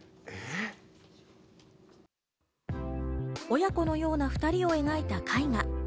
親子のような２人を描いた絵画。